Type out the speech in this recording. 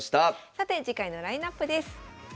さて次回のラインナップです。